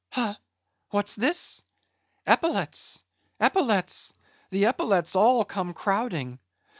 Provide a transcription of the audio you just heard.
Ha! what's this? epaulets! epaulets! the epaulets all come crowding!